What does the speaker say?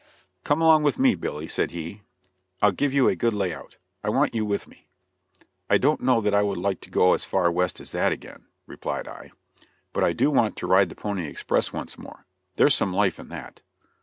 "Come along with me, Billy," said he, "I'll give you a good lay out. I want you with me." "I don't know that I would like to go as far west as that again," replied I, "but I do want to ride the pony express once more; there's some life in that."